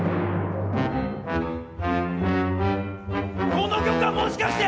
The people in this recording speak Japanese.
この曲はもしかして！